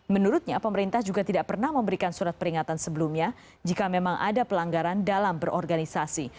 menurutnya pemerintah juga tidak pernah memberikan surat peringatan sebelumnya jika memang ada pelanggaran dalam berorganisasi